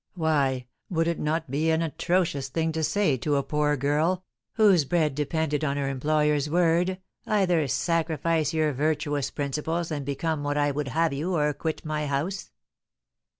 Why, would it not be an atrocious thing to say to a poor girl, whose bread depended on her employer's word, 'Either sacrifice your virtuous principles, and become what I would have you, or quit my house?